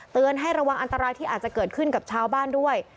ให้ระวังอันตรายที่อาจจะเกิดขึ้นกับชาวบ้านด้วย